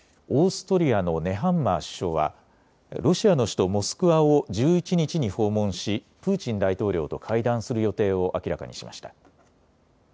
オーストリアのネハンマー首相はロシアの首都モスクワを１１日に訪問しプーチン大統領と会談する予定を明らかにしました。